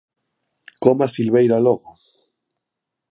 Coma Silveira logo.